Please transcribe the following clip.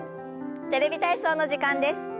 「テレビ体操」の時間です。